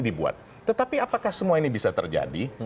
dibuat tetapi apakah semua ini bisa terjadi